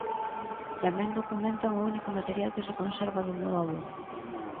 Tamén documentan o único material que se conserva do meu avó.